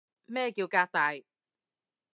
咩叫革大